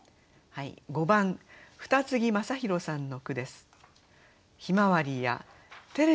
５番二木雅弘さんの句です。